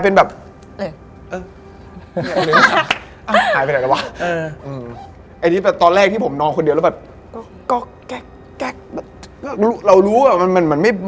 ไม่ปกติเหี้ยอะไร